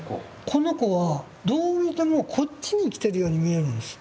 この子はどう見てもこっちに来てるように見えるんです。